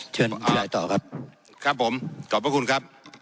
เชิญคุณยายต่อครับครับผมขอบพระคุณครับ